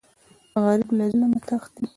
غریب له ظلم نه تښتي